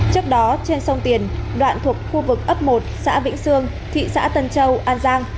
trước đó trên sông tiền đoạn thuộc khu vực ấp một xã vĩnh sương thị xã tân châu an giang